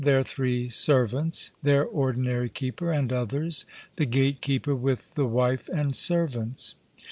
Their three Servants. Their Ordinary keeper, and others. The Gatekeeper, with the Wife and Servants.